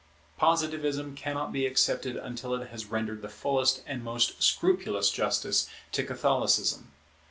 Positivism cannot be accepted until it has rendered the fullest and most scrupulous justice to Catholicism.